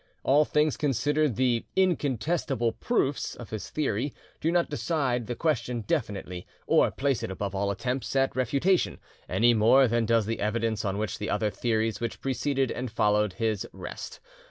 All things considered, the "incontestable proofs" of his theory do not decide the question definitely, or place it above all attempts at refutation, any more than does the evidence on which the other theories which preceded and followed his rest.